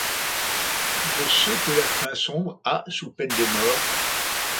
De ceux que la faim sombre a, sous peine de mort